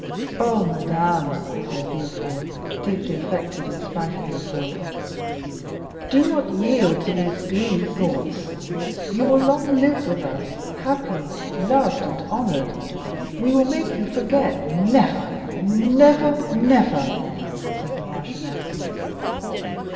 "Oh, madame," said Villefort, deeply affected, in spite of himself, "do not yield to those gloomy thoughts; you will long live with us, happy, loved, and honored, and we will make you forget——" "Never, never, never," said the marchioness.